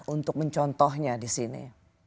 untuk mencontohnya di sini